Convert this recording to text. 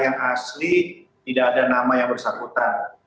yang asli tidak ada nama yang bersangkutan